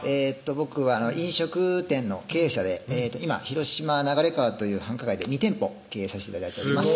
僕飲食店の経営者で今広島・流川という繁華街で２店舗経営さして頂いております